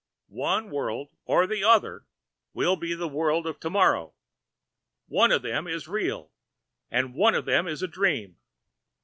One world or the other will be the world of tomorrow. One of them is real and one of them is a dream.